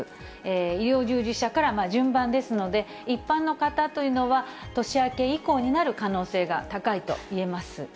医療従事者から順番ですので、一般の方というのは、年明け以降になる可能性が高いといえます。